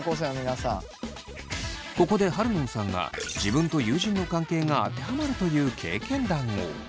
ここでハルノンさんが自分と友人の関係が当てはまるという経験談を。